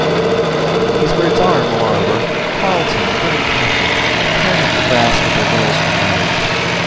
These birds are, moreover, quarrelsome and very passionate; tearing up the grass with their bills from rage.